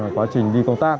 quá trình đi công tác